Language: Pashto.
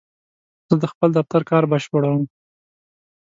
زه د خپل دفتر کار بشپړوم.